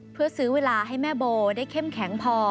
เพื่อซื้อเวลาให้แม่โบได้เข้มแข็งพอ